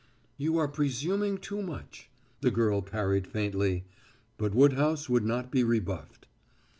"You are presuming too much," the girl parried faintly; but Woodhouse would not be rebuffed.